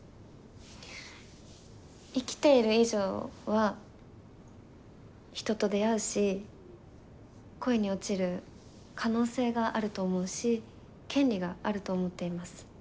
生きている以上は人と出会うし恋に落ちる可能性があると思うし権利があると思っています。